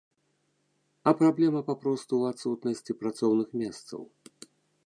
А праблема папросту ў адсутнасці працоўных месцаў!